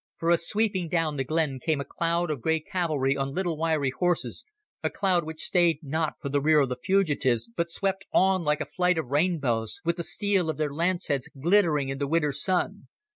For sweeping down the glen came a cloud of grey cavalry on little wiry horses, a cloud which stayed not for the rear of the fugitives, but swept on like a flight of rainbows, with the steel of their lance heads glittering in the winter sun.